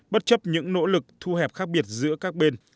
bất chấp những nỗ lực thu hẹp khác biệt giữa các bên